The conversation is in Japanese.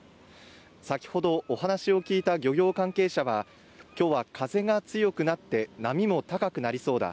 先ほどお話を聞いた漁業関係者は今日は風が強くなって波も高くなりそうだ